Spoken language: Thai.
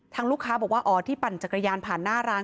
ลูกค้าบอกว่าอ๋อที่ปั่นจักรยานผ่านหน้าร้าน